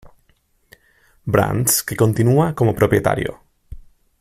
Brands, que continúa como propietario.